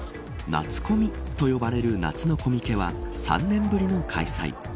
夏コミと呼ばれる夏のコミケは３年ぶりの開催。